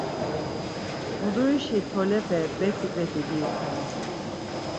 Mudurişi tolepe bet̆i bet̆i diyu xolo.